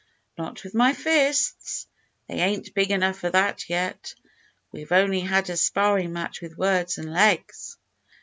"Not with my fists; they ain't big enough for that yet. We've only had a sparring match with words and legs."